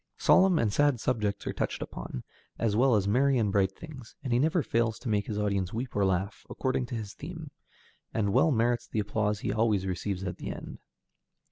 Solemn and sad subjects are touched upon, as well as merry and bright things, and he never fails to make his audience weep or laugh, according to his theme, and well merits the applause he always receives at the end.